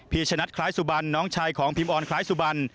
พี่ชนัดขลายสุบัญน้องชายของพิมอร์ขลายสุบัญ